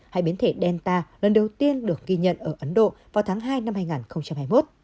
hai biến thể delta lần đầu tiên được ghi nhận ở ấn độ vào tháng hai năm hai nghìn hai mươi một